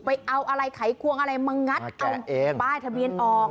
ไปเอาอะไรไขควงอะไรมางัดเอาป้ายทะเบียนออก